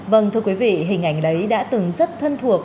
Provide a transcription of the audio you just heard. vâng thưa quý vị hình ảnh đấy đã từng rất thân thuộc